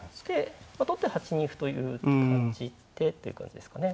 取って８二歩という感じでっていう感じですかね。